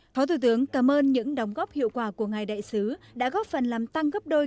phó thủ tướng cảm ơn những đóng góp hiệu quả của ngài đại sứ đã góp phần làm tăng gấp đôi